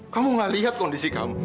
kamu gak lihat kondisi kamu